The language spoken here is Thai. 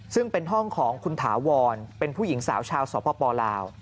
ซึ่งเป็นห้องของคุณถาวรเป็นผู้หญิงสาวชาวสปลาว